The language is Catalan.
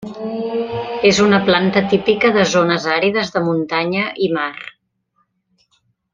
És una planta típica de zones àrides de muntanya i mar.